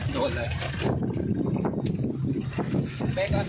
เตะก่อน